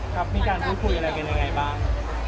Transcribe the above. ครับมีการพูดคุยอะไรบ้าง